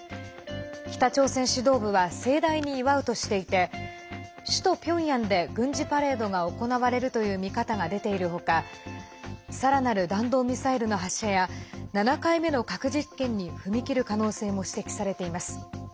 北朝鮮指導部は盛大に祝うとしていて首都ピョンヤンで軍事パレードが行われるという見方が出ているほかさらなる弾道ミサイルの発射や７回目の核実験に踏み切る可能性も指摘されています。